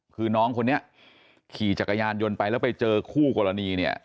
คือน้องคนนี้ขี่จักรยานยนต์ไปแล้วไปเจอคู่กรณีเนี่ย